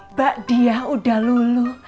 mbak diyah udah lulu